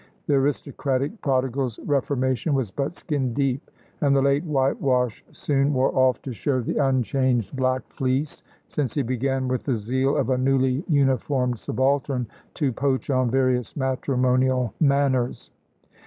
The aristocratic prodigal's reformation was but skin deep, and the late whitewash soon wore off to show the unchanged black fleece, since he began with the zeal of a newly uniformed subaltern to poach on various matrimonial manors.